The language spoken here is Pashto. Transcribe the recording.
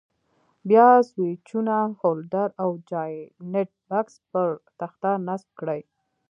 بیا سویچونه، هولډر او جاینټ بکس پر تخته نصب کړئ.